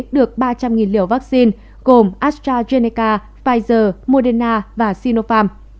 được ba trăm linh liều vaccine gồm astrazeneca pfizer moderna và sinopharm